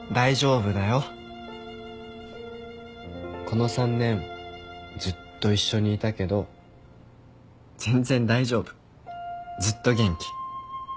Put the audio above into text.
この３年ずっと一緒にいたけど全然大丈夫ずっと元気。